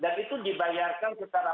dan itu dibayarkan secara